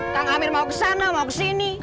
kang amir mau kesana mau kesini